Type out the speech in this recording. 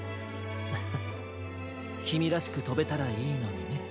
フフきみらしくとべたらいいのにね。